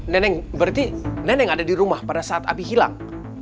neneng berarti neneng ada di rumah pada saat api hilang